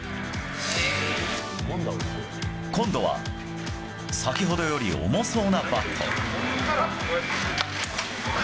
今度は先ほどより重そうなバット。